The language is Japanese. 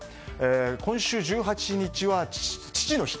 今週１８日は父の日。